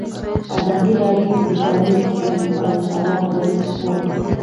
ازادي راډیو د د کانونو استخراج لپاره د چارواکو دریځ خپور کړی.